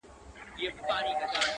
خوريى د ماما د مېني لېوه دئ.